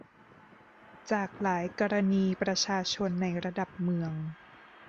จากหลายกรณีประชาชนในระดับเมือง